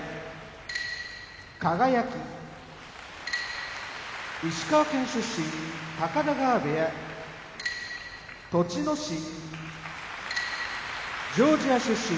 輝石川県出身高田川部屋栃ノ心ジョージア出身春日野部屋